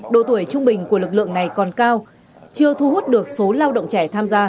độ tuổi trung bình của lực lượng này còn cao chưa thu hút được số lao động trẻ tham gia